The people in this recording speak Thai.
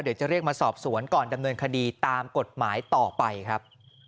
เดี๋ยวจะเรียกมาสอบสวนก่อนดำเนินคดีตามกฎหมายต่อไปครับ